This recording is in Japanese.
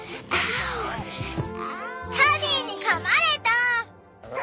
パディに噛まれた！